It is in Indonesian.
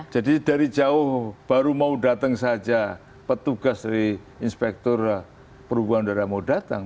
jadi dari jauh baru mau datang saja petugas dari inspektur perubahan udara mau datang